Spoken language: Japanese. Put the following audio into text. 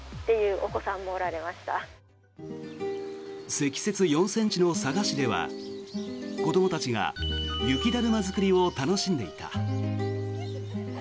積雪４ｃｍの佐賀市では子どもたちが雪だるま作りを楽しんでいた。